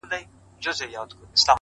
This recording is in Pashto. هره موخه د نظم غوښتنه کوي.!